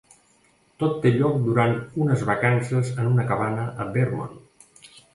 Tot té lloc durant unes vacances en una cabana a Vermont.